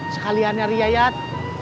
sekalian dari yayat